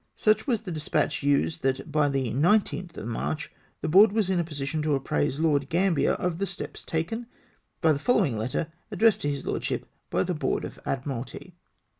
Such was the despatch used, that by the 19th of March the Board was in a position to apprise Lord Gambler of the steps taken, by the following letter addressed to his lordship by the Board of xVdmiralty.